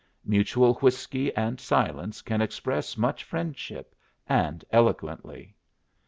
Mutual whiskey and silence can express much friendship, and eloquently.